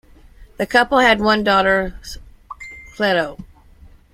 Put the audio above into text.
The couple had one daughter, Cleito.